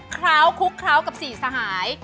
คลุกเคราะห์กับ๔สหาย